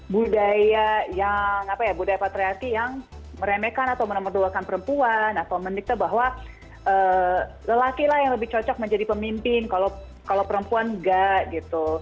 budaya patriarki yang meremehkan atau menemudulkan perempuan atau menikmati bahwa lelaki lah yang lebih cocok menjadi pemimpin kalau perempuan enggak gitu